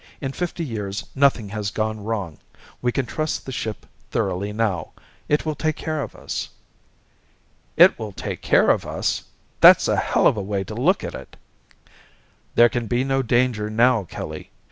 In fifty years nothing has gone wrong. We can trust the ship thoroughly now, it will take care of us." "It will take care of us! That's a helluva way to look at it!" "There can be no danger now, Kelly.